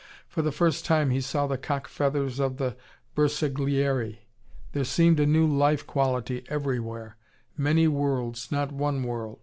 For the first time, he saw the cock feathers of the Bersaglieri. There seemed a new life quality everywhere. Many worlds, not one world.